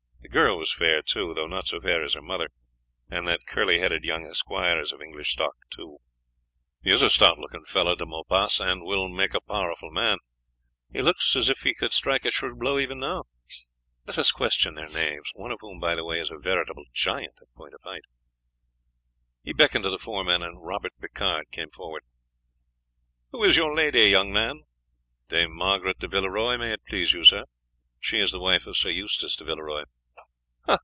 The girl was fair too, though not so fair as her mother, and that curly headed young esquire is of English stock too." "He is a stout looking fellow, De Maupas, and will make a powerful man; he looks as if he could strike a shrewd blow even now. Let us question their knaves, one of whom, by the way, is a veritable giant in point of height." He beckoned to the four men, and Robert Picard came forward. "Who is your lady, young man?" "Dame Margaret de Villeroy, may it please you, sir. She is the wife of Sir Eustace de Villeroy."